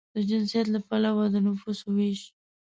د جنسیت له پلوه د نفوسو وېش